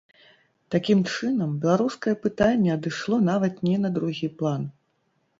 Такім чынам, беларускае пытанне адышло нават не на другі план.